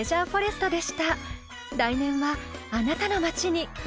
［来年はあなたの町に運